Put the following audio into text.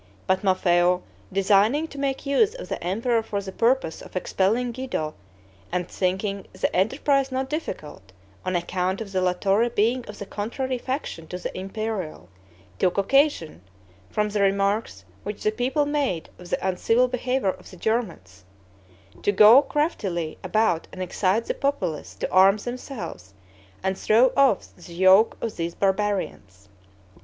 But Maffeo, designing to make use of the emperor for the purpose of expelling Guido, and thinking the enterprise not difficult, on account of the La Torre being of the contrary faction to the imperial, took occasion, from the remarks which the people made of the uncivil behavior of the Germans, to go craftily about and excite the populace to arm themselves and throw off the yoke of these barbarians.